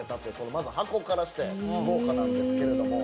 まず箱からして豪華なんですけど。